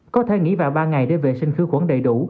có thể nghỉ vào ba ngày để vệ sinh khử khuẩn đầy đủ